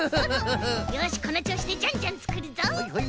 よしこのちょうしでジャンジャンつくるぞ。